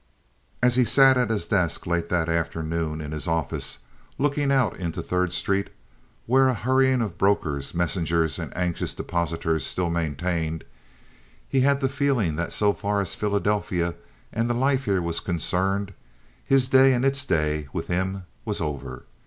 As he sat at his desk late that afternoon in his office looking out into Third Street, where a hurrying of brokers, messengers, and anxious depositors still maintained, he had the feeling that so far as Philadelphia and the life here was concerned, his day and its day with him was over.